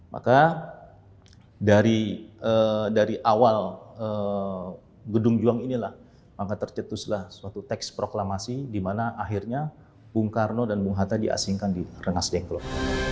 maka dari awal gedung juang inilah maka tercetuslah suatu teks proklamasi di mana akhirnya bung karno dan bung hatta diasingkan di rengas dengklok